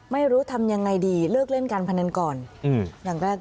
ไม่รู้ทำยังไงดีเลิกเล่นการพนันก่อนอย่างแรก